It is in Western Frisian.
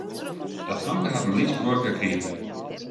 Dat famke hat in lyts bruorke krigen.